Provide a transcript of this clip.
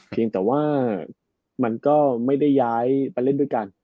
เพียงแต่ว่ามันก็ไม่ได้ย้ายไปเล่นด้วยกัน